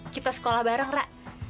kita sekolah bareng ra